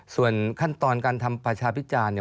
ส่วนขั้นตอนการทำประชาพิจารณ์เนี่ย